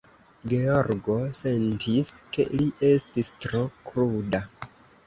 Georgo sentis, ke li estis tro kruda.